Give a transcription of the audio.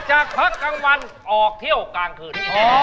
จากพักกลางวันออกเที่ยวกลางคืน